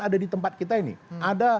ada di tempat kita ini ada